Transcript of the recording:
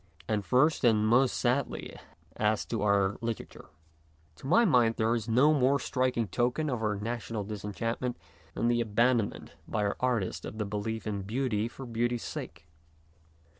And first, and most sadly, as to our litera ture. To my mind there is no more striking token of our national disenchantment than the abandonment by our artists of the belief in beauty for beauty's sake.